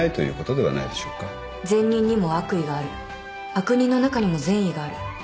悪人の中にも善意がある。